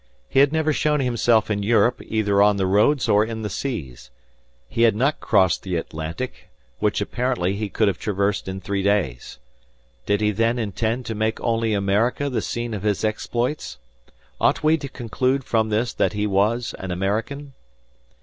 He had never shown himself in Europe either on the roads or in the seas. He had not crossed the Atlantic, which apparently he could have traversed in three days. Did he then intend to make only America the scene of his exploits? Ought we to conclude from this that he was an American?